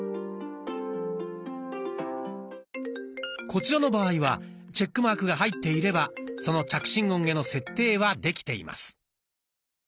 こちらの場合はチェックマークが入っていればその着信音への設定はできています。